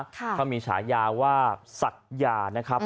เขามีฉายาว่าศักยานะครับ